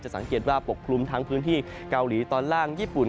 สังเกตว่าปกคลุมทั้งพื้นที่เกาหลีตอนล่างญี่ปุ่น